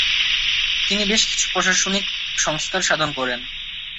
তিনি বেশ কিছু প্রশাসনিক সংস্কার সাধন করেন।